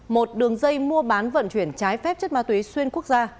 một đường dây mua bán vận chuyển trái phép chất ma túy xuyên quốc gia